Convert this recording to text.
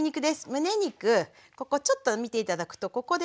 むね肉ここちょっと見て頂くとここでね